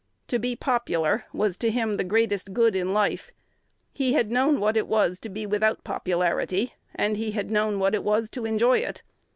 To be popular was to him the greatest good in life. He had known what it was to be without popularity, and he had known what it was to enjoy it.